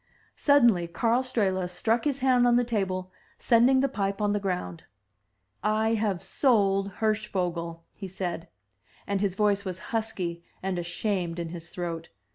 Suddenly Karl Strehla struck his hand on the table, sending the pipe on the ground. *1 have sold Hirschvogel," he said; and his voice was husky and ashamed in his throat.